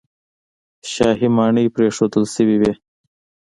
شاهي ماڼۍ پرېښودل شوې وې.